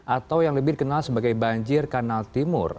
atau yang lebih dikenal sebagai banjir kanal timur